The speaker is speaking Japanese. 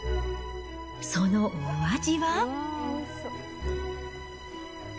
そのお味は。